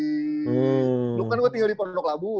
lu kan gue tinggal di pondok labu